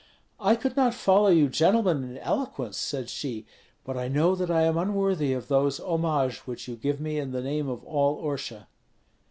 "I could not follow you gentlemen in eloquence," said she, "but I know that I am unworthy of those homages which you give me in the name of all Orsha."